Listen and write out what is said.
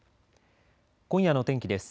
今夜の天気です。